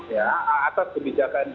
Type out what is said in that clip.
ya atas kebijakan